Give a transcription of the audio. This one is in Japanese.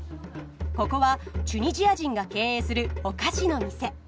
ここはチュニジア人が経営するお菓子の店。